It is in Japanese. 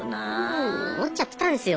そう思っちゃってたんですよ。